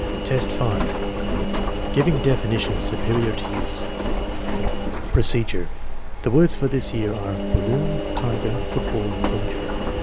1 Vin, 5. Giving definitions superior to use Procedure. The words for this year are balloon, tiger, football, and soldier.